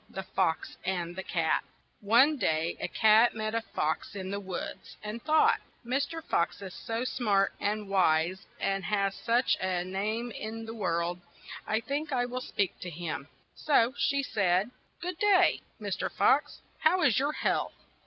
THE FOX AND THE CAT ONE day a cat met a fox in the woods, and thought :'' Mr. Fox is so smart and wise and has such a name in the world, I think I will speak to him. '' So she said : "Good day, Mr. Fox, how is your health?